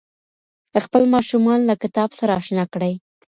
خپل ماسومان له کتاب سره اشنا کړئ.